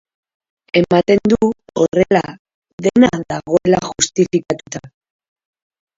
Ematen du horrela dena dagoela justifikatuta.